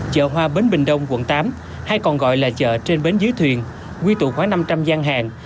chợ hoa bến bình đông quận tám hay còn gọi là chợ trên bến dưới thuyền quy tụ khoảng năm trăm linh gian hàng